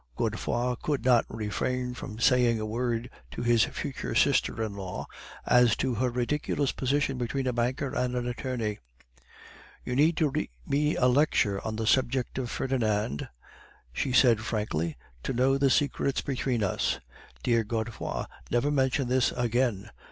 "Godefroid could not refrain from saying a word to his future sister in law as to her ridiculous position between a banker and an attorney. "'You mean to read me a lecture on the subject of Ferdinand,' she said frankly, 'to know the secret between us. Dear Godefroid, never mention this again.